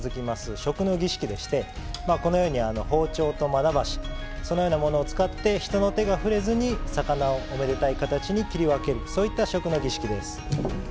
食の儀式でしてこのように包丁とまな箸そのようなものを使って人の手が触れずに魚をおめでたい形に切り分けるそういった食の儀式です。